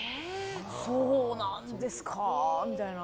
そうなんですかみたいな。